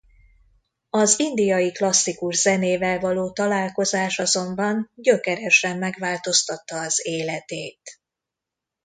Az indiai klasszikus zenével való találkozás azonban gyökeresen megváltoztatta az életét.